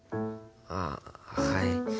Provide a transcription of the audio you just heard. あっはい。